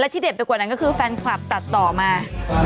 ที่เด็ดไปกว่านั้นก็คือแฟนคลับตัดต่อมา